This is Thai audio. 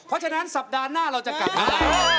เพราะฉะนั้นสัปดาห์หน้าเราจะกลับมา